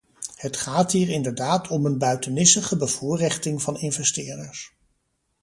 Het gaat hier inderdaad om een buitenissige bevoorrechting van investeerders.